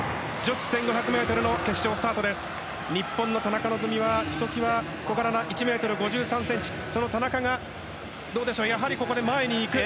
日本の田中希実はひときわ小柄な１ｍ５３ｃｍ、その田中がやはりここで前にいく。